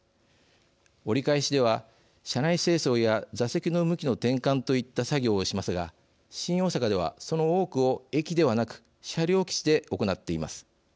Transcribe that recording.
折り返しでは車内清掃や座席の向きの転換といった作業をしますが新大阪ではその多くを駅ではなく車両基地で行っています。